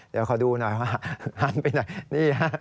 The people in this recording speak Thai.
แต่ละหาดมีไหน